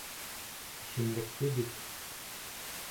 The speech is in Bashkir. Исемлекте бит...